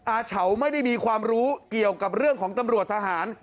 อาเฉาไม่ได้มีความรู้เกี่ยวกับเรื่องของตำรวจทหาร